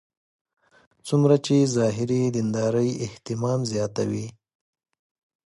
څومره چې ظاهري دیندارۍ اهتمام زیاتوي.